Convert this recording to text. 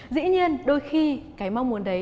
dĩ nhiên đôi khi cái mong muốn đấy